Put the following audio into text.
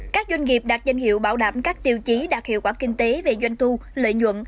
các doanh nghiệp đạt danh hiệu bảo đảm các tiêu chí đạt hiệu quả kinh tế về doanh thu lợi nhuận